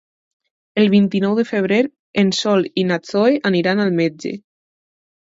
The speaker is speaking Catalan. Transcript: El vint-i-nou de febrer en Sol i na Zoè aniran al metge.